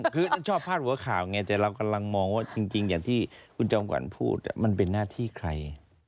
คือชอบพาดหัวข่าวไงแต่เรากำลังมองว่าจริงอย่างที่คุณจอมขวัญพูดมันเป็นหน้าที่ใคร